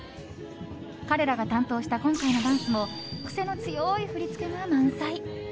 彼らが担当した今回のダンスも癖の強い振り付けが満載。